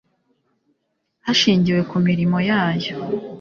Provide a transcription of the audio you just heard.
hashingiwe ku mirimo yayo